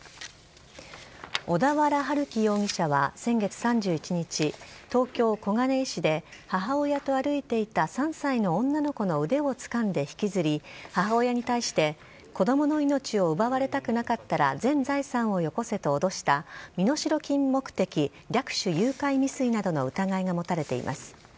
小田原春輝容疑者は先月３１日、東京・小金井市で母親と歩いていた３歳の女の子の腕をつかんで引きずり、母親に対して子どもの命を奪われたくなかったら、全財産をよこせと脅した身代金目的略取誘拐未遂などの疑いが持たれています。